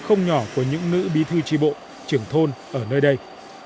không nhỏ của những nữ bí thư tri bộ trưởng thôn ở nơi đây